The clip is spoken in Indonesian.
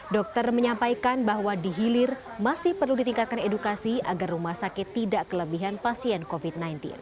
dokter menyampaikan bahwa di hilir masih perlu ditingkatkan edukasi agar rumah sakit tidak kelebihan pasien covid sembilan belas